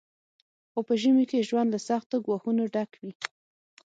خو په ژمي کې ژوند له سختو ګواښونو ډک وي